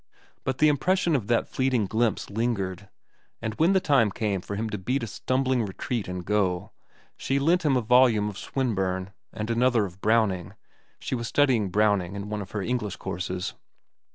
But the impression of that fleeting glimpse lingered, and when the time came for him to beat a stumbling retreat and go, she lent him the volume of Swinburne, and another of Browning—she was studying Browning in one of her English courses.